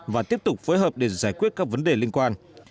và tiếp tục phối hợp để giải quyết các vấn đề liên quan